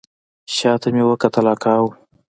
شا ته مې وکتل اکا و.